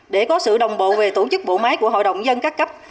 để có sự đồng bộ về tổ chức bộ máy của hội đồng dân các cấp